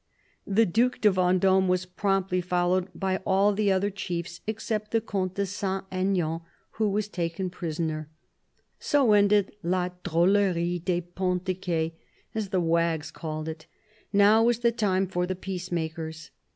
...' The Due de VendOme was promptly followed by all the other chiefs, except the Comte de Saint Aignan, who was taken prisoner." So ended " la drolerie des Ponts de Ce," as the wags called it. Now was the time for the peacemakers.